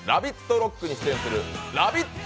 ＲＯＣＫに出演するラヴィット！